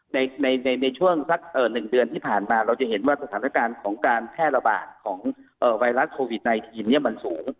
ในช่วงสัก๑เดือนที่ผ่านมาเราจะเห็นว่าสถานการณ์ของการแพร่ระบาดของไวรัสโควิด๑๙เนี่ยมันสูง